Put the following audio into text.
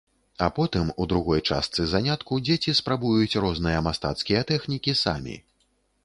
А потым у другой частцы занятку дзеці спрабуюць розныя мастацкія тэхнікі самі.